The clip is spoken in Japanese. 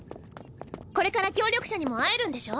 これから協力者にも会えるんでしょ？